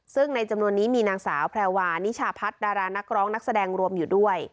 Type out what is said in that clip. ซึ่งในจำนวนนี้มีนางสาวแพรวานิชาพัฒน์ดารานักร้องนักแสดงรวมอยู่ด้วย